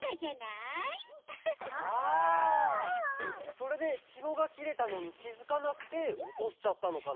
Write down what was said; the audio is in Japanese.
それでひもがきれたのにきづかなくておとしちゃったのかな？